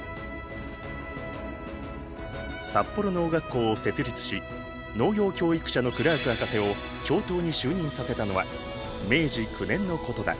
札幌農学校を設立し農業教育者のクラーク博士を教頭に就任させたのは明治９年のことだ。